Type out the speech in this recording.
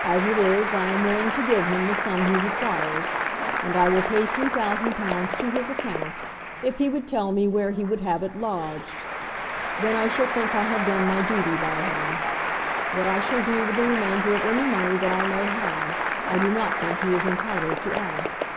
As it is, I am willing to give him the sum he requires, and I will pay £3000 to his account, if he would tell me where he would have it lodged. Then I shall think I have done my duty by him. What I shall do with the remainder of any money that I may have, I do not think he is entitled to ask.